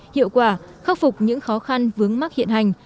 hiệu quả khắc phục những khó khăn vướng mắc hiện hành